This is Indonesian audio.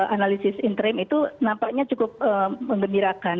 analisis interim itu nampaknya cukup mengembirakan